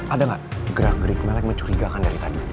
ada nggak gerak gerik menarik mencurigakan dari tadi